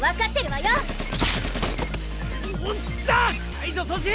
解除阻止！